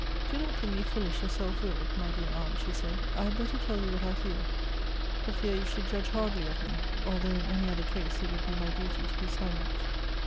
"Do not think me foolish or self willed, my dear .aunt," she said ;" I had better tell you what I feel, for fear you Elective Affinities. 291 should judge hardly of me ; although in any other case it would be my duty to be silent.